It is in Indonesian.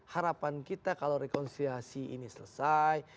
harapan kita kalau rekonsiliasi ini selesai